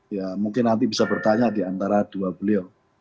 ya mungkin nanti bisa bertanya di antara dua beliau